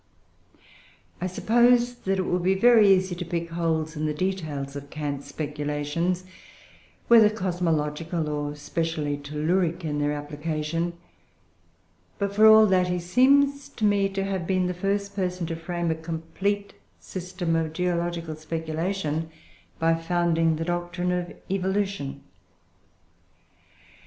I suppose that it would be very easy to pick holes in the details of Kant's speculations, whether cosmological, or specially telluric, in their application. But for all that, he seems to me to have been the first person to frame a complete system of geological speculation by founding the doctrine of evolution.